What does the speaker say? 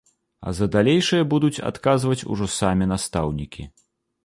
А за далейшае будуць адказваць ужо самі настаўнікі.